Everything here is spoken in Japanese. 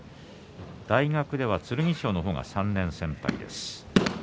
大学では剣翔の方が３年先輩です。